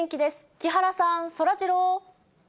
木原さん、そらジロー。